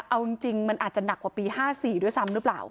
เอาจริงมันอาจจะหนักกว่าปี๕๔ด้วยซ้ำหรือเปล่า